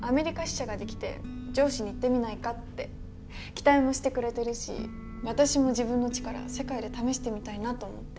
期待もしてくれてるし私も自分の力世界で試してみたいなと思って。